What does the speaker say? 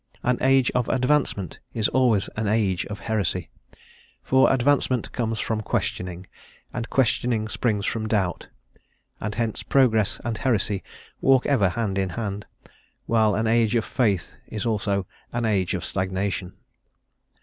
An age of advancement is always an age of heresy; for advancement comes from questioning, and questioning springs from doubt, and hence progress and heresy walk ever hand in hand, while an age of faith is also an age of stagnation.